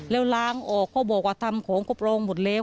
แล้วล้างออกเขาบอกว่าทำของก็ปรองหมดแล้ว